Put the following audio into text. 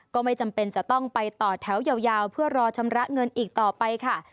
ก็ไม่จำเป็นจะต้องไปต่อแถวยาวเพื่อรอชำระเงินอีกต่อไปค่ะ